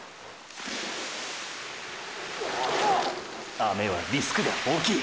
雨はリスクが大きい！！